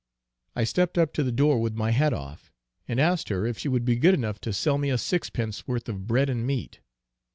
I stepped up to the door with my hat off, and asked her if she would be good enough to sell me a sixpence worth of bread and meat.